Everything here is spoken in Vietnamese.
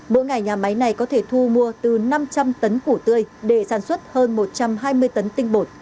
mỗi ngày nhà máy này có thể thu mua từ năm trăm linh tấn củ tươi để sản xuất hơn một trăm hai mươi tấn tinh bột